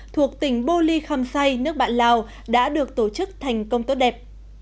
thuộc tỉnh bô ly khăm say nước bạn lào đã được tổ chức thành công tốt đẹp